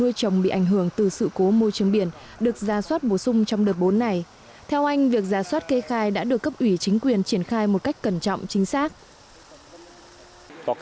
nuôi trồng bị ảnh hưởng từ sự cố môi trường biển được ra soát bổ sung trong đợt bốn này theo anh việc giả soát kê khai đã được cấp ủy chính quyền triển khai một cách cẩn trọng chính xác